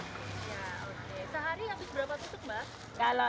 sehari habis berapa tutup mbah